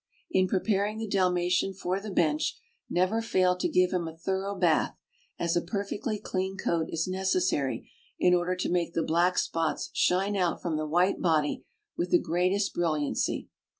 In preparing the Dalmatian for the bench, never fail to give him a thorough bath, as a perfectly clean coat is nec essary in order to make the black spots shine out from the white body with the greatest brilliancy.